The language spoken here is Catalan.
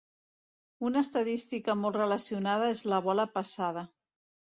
Una estadística molt relacionada és la bola passada.